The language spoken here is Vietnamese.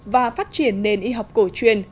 và phát triển nền y học cổ truyền